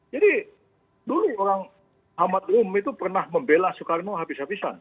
jadi dulu orang muhammad irum itu pernah membela soekarno habis habisan